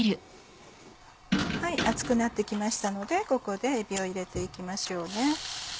熱くなって来ましたのでここでえびを入れて行きましょうね。